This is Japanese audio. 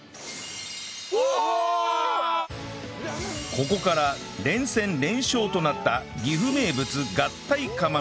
ここから連戦連勝となった岐阜名物合体釜飯は